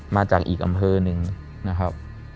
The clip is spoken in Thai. มาจากอีกอำเภอหนึ่งนะครับ